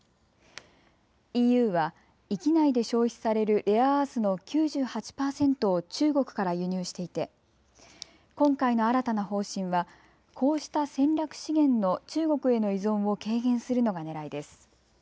ＥＵは域内で消費されるレアアースの９８％を中国から輸入していて今回の新たな方針はこうした戦略資源の中国への依存を軽減するのがねらいです。